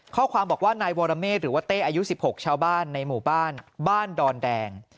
ข้อความบอกว่านายวรเมฆหรือว่าเต้อายุ๑๖ชาวบ้านในหมู่บ้านบ้านดอนแดง